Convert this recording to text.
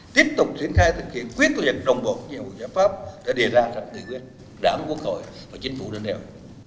tiếp tục triển khai thực hiện quyết liệt đồng bộ nhiều giả pháp đã đề ra đảm quyết đảm quốc hội và chính phủ đơn đều